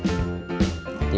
yang berat itu listanya